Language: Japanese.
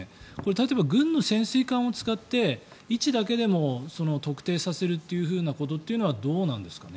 例えば、軍の潜水艦を使って位置だけでも特定させるというのはどうなんですかね。